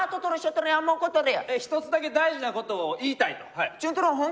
一つだけ大事なことを言いたいと。